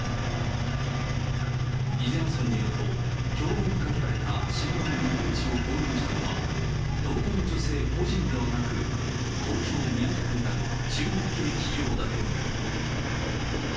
伊是名村によると、競売にかけられた島の民有地を購入したのは、動画の女性個人ではなく、東京・港区にある中国系企業だという。